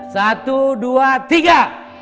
satu dua tiga